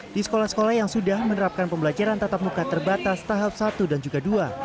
di sekolah sekolah yang sudah menerapkan pembelajaran tatap muka terbatas tahap satu dan juga dua